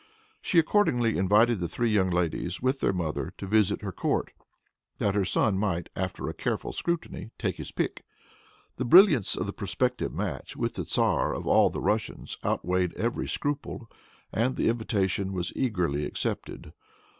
She accordingly invited the three young ladies, with their mother, to visit her court, that her son might, after a careful scrutiny, take his pick. The brilliance of the prospective match with the tzar of all the Russias outweighed every scruple, and the invitation was eagerly accepted.